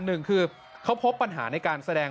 หนึ่งคือเขาพบปัญหาในการแสดง